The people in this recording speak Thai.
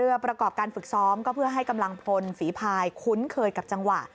ประกอบการฝึกซ้อมก็เพื่อให้กำลังพลฝีพายคุ้นเคยกับจังหวะ